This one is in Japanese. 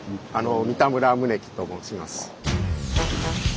三田村宗樹と申します。